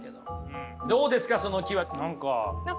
どうですかその木は。